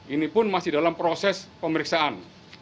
ini pun masih dalam proses pemeriksaan